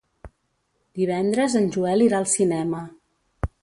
Divendres en Joel irà al cinema.